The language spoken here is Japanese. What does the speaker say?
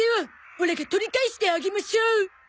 オラが取り返してあげましょう。